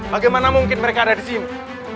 bagaimana mungkin mereka ada disini